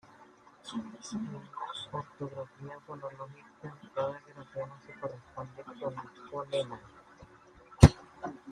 En una ortografía fonológica cada grafema se corresponde con un fonema.